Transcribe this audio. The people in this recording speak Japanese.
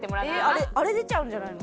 えっあれ出ちゃうんじゃないの？